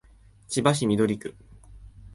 千葉市緑区